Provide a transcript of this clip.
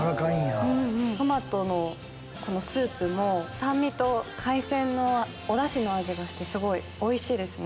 トマトのスープも酸味と海鮮のおダシの味がしてすごいおいしいですね。